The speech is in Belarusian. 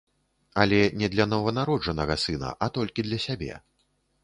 Але не для нованароджанага сына, а толькі для сябе.